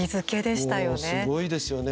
もうすごいですよね。